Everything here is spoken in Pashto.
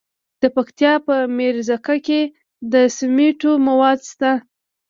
د پکتیا په میرزکه کې د سمنټو مواد شته.